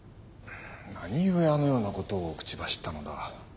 何故あのようなことを口走ったのだ？